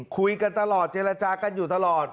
คุยกันตลอดเจรจากันอยู่ตลอด